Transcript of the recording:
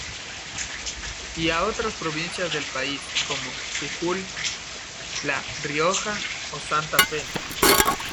Y a otras provincias del país como Jujuy, La Rioja o Santa Fe.